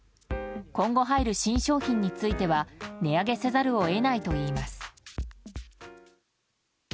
今後入る新商品については値上げせざるを得ないといいます。